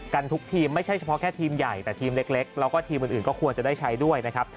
ทุกทีมไม่ใช่เฉพาะแค่ทีมใหญ่แต่ทีมเล็กแล้วก็ทีมอื่นก็ควรจะได้ใช้ด้วยนะครับ